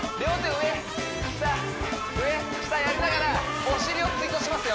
上下上下やりながらお尻をツイストしますよ